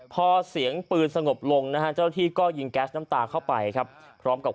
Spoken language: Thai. พอเสียงปืนสงบลงนะฮะเจ้าที่ก็ยิงแก๊สน้ำตาเข้าไปครับพร้อมกับ